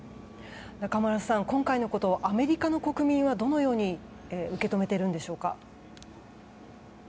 中丸さん、今回のことをアメリカの国民はどのように受け止めているんでしょうか。